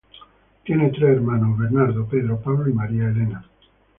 Tiene tres hermanos: Bernardo, Pedro Pablo y María Elena.